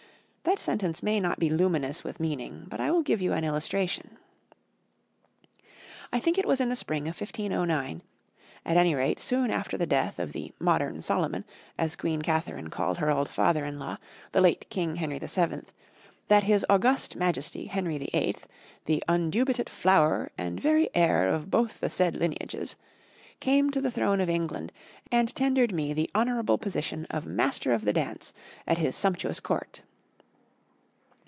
That sentence may not be luminous with meaning, but I will give you an illustration. I think it was in the spring of 1509, at any rate soon after the death of the "Modern Solomon," as Queen Catherine called her old father in law, the late King Henry VII, that his august majesty Henry VIII, "The Vndubitate Flower and very Heire of both the sayd Linages," came to the throne of England, and tendered me the honorable position of Master of the Dance at his sumptuous court.